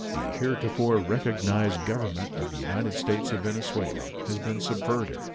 The heretofore recognized Government of the United States of Venezuela has been subverted.